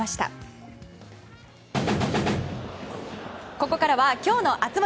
ここからはきょうの熱盛。